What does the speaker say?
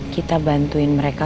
kita bantuin mereka